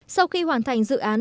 sau khi hoàn thành dự án